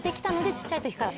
ちっちゃいときから。